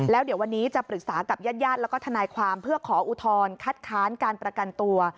แล้วเดี๋ยววันนี้จะปรึกษากับญาติญาติแล้วก็ทนายความเพื่อขออุทธรณ์คัดค้านการประกันตัว